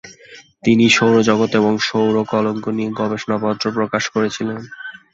তিনি সৌর জগৎ এবং সৌরকলঙ্ক বিষয়ে গবেষণাপত্র প্রকাশ করেছিলেন।